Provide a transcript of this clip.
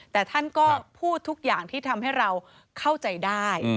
แต่ท่านก็พูดทุกอย่างที่ทำให้เราเข้าใจได้